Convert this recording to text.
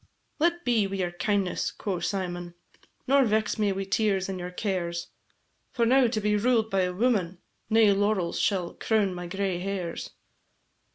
"Let be wi' your kindness," quo' Symon, "Nor vex me wi' tears and your cares, For now to be ruled by a woman, Nae laurels shall crown my gray hairs."